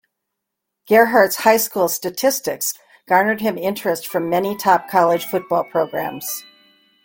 Gerhart's high school statistics garnered him interest from many top college football programs.